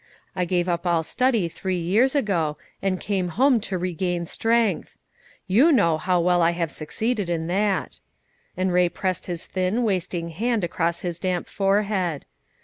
I gave up all study three years ago, and came home to regain strength! you know how well I have succeeded in that." And Ray pressed his thin, wasting hand across his damp forehead.